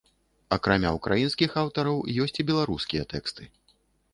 Акрамя ўкраінскіх аўтараў, ёсць і беларускія тэксты.